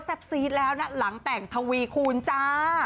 ซีดแล้วนะหลังแต่งทวีคูณจ้า